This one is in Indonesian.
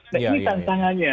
nah ini tantangannya